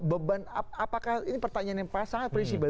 beban apakah ini pertanyaan yang sangat prinsipil